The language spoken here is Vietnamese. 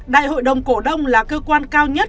đại hội đồng cổ đông là cơ quan cao nhất